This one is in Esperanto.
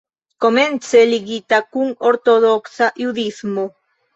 Komence ligita kun Ortodoksa Judismo.